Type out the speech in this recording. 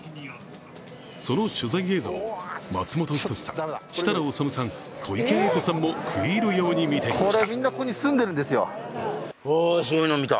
その取材映像を松本人志さん、設楽統さん、小池栄子さんも食い入るように見ていました。